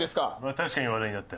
確かに話題になった。